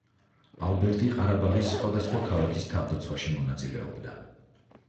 ალბერტი ყარაბაღის სხვადასხვა ქალაქის თავდაცვაში მონაწილეობდა.